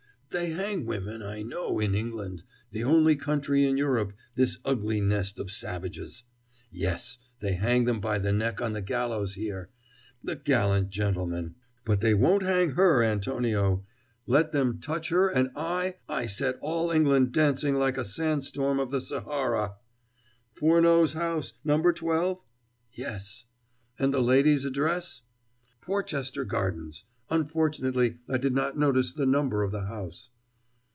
They hang women, I know, in England the only country in Europe this ugly nest of savages. Yes! they hang them by the neck on the gallows here the gallant gentlemen! But they won't hang her, Antonio! Let them touch her, and I, I set all England dancing like a sandstorm of the Sahara! Furneaux's house No. 12?" "Yes." "And the lady's address?" "Porchester Gardens unfortunately I did not notice the number of the house."